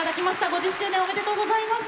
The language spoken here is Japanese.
５０周年おめでとうございます。